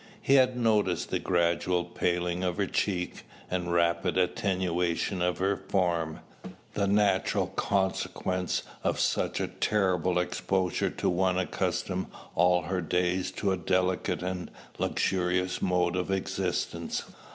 He had noticed the gradual paling of her cheek, and rapid attenuation of her form, the natural consequence of such a terrible exposure to one accustomed all her days to a delicate and luxurious mode of existence.